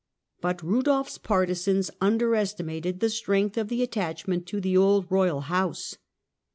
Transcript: But Eudolf's partisans underestimated the strength of the attachment to the old royal house.